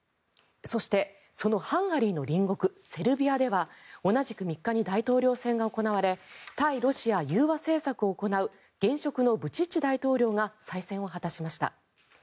そして、そのハンガリーの隣国セルビアでは同じく３日に大統領選が行われ対ロシア融和政策を行う現職のブチッチ大統領が再選を果たしました。